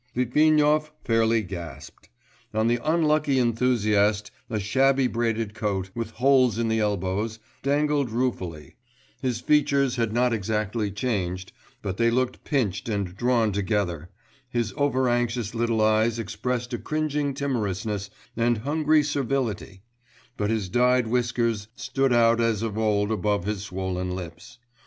Litvinov fairly gasped. On the unlucky enthusiast a shabby braided coat, with holes in the elbows, dangled ruefully; his features had not exactly changed, but they looked pinched and drawn together; his over anxious little eyes expressed a cringing timorousness and hungry servility; but his dyed whiskers stood out as of old above his swollen lips.